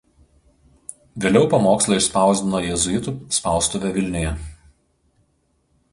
Vėliau pamokslą išspausdino jėzuitų spaustuvė Vilniuje.